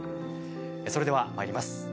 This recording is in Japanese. それではまいります。